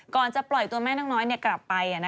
ก่อนจะปล่อยตัวแม่นกน้อยกลับไป